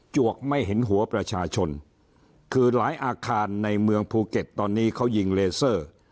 วกไม่เห็นหัวประชาชนคือหลายอาคารในเมืองภูเก็ตตอนนี้เขายิงเลเซอร์